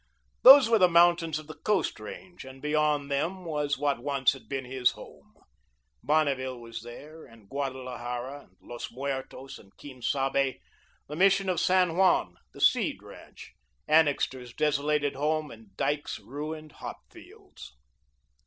Those were the mountains of the Coast range and beyond them was what once had been his home. Bonneville was there, and Guadalajara and Los Muertos and Quien Sabe, the Mission of San Juan, the Seed ranch, Annixter's desolated home and Dyke's ruined hop fields.